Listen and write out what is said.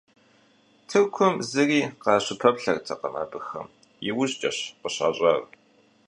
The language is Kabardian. Тыркум зыри къащыпэплъэртэкъым абыхэм – иужькӏэщ къыщащӏар.